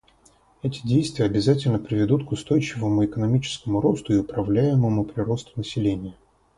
Эти действия обязательно приведут к устойчивому экономическому росту и управляемому приросту населения.